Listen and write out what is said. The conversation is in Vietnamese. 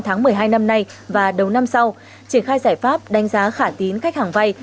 tháng một mươi hai năm nay và đầu năm sau triển khai giải pháp đánh giá khả tín khách hàng vay